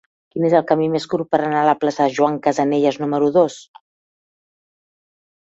Quin és el camí més curt per anar a la plaça de Joan Casanelles número dos?